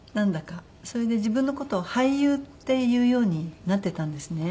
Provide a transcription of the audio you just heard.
それで自分の事を「俳優」って言うようになってたんですね。